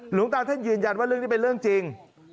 หลวงตาท่านยืนยันว่าเรื่องนี้เป็นเรื่องจริง